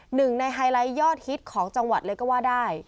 หนึ่งในไฮไลท์ยอดฮิตของจังหวัดเลยก็ว่าได้